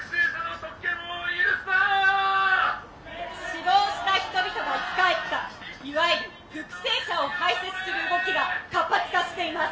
「死亡した人々が生き返ったいわゆる復生者を排斥する動きが活発化しています」。